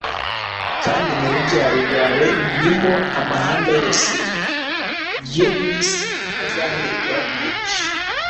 kandi mu rubyaro rwawe ni mo amahanga yose yo mu isi azaherwa umugisha